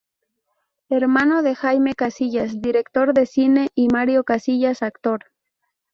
Hermano de Jaime Casillas, director de cine y Mario Casillas, actor.